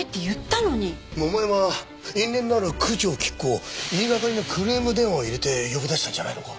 桃山は因縁のある九条菊子を言いがかりのクレーム電話を入れて呼び出したんじゃないのか？